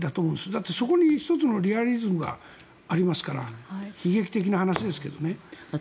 だってそこに１つのリアリズムがありますから悲劇的な話ですけどね。